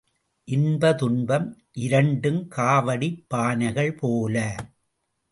இன்ப துன்பம் இரண்டும் காவடிப் பானைகள் போல.